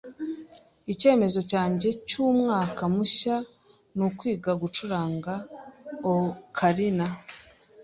Icyemezo cyanjye cyumwaka mushya nukwiga gucuranga ocarina.